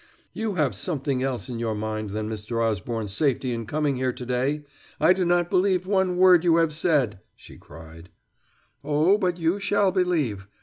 "You had something else in your mind than Mr. Osborne's safety in coming here today: I do not believe one word you have said," she cried. "Oh, but you shall believe.